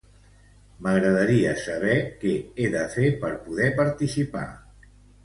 M'agradaria saber que he de fer per poder participar.